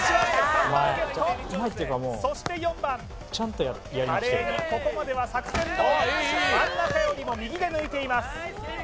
３番ＧＥＴそして４番華麗にここまでは作戦どおりか真ん中よりも右で抜いています